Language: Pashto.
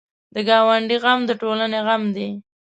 د ګاونډي غم د ټولنې غم دی